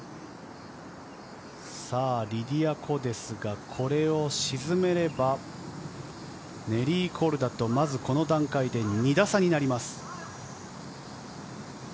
さぁ、リディア・コですが、これを沈めれば、ネリー・コルダとこの段階で２打差になります。